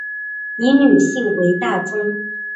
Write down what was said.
以女性为大宗